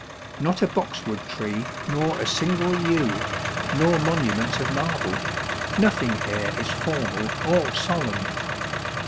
Not a boxwood tree, nor a single yew, nor monuments of marble ; noth ing here is formal or solemn.